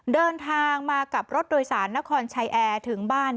เดินทางมากับรถโดยสารนครชัยแอร์ถึงบ้าน